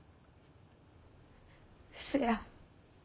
うそや。